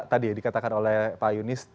tadi ya dikatakan oleh pak yunis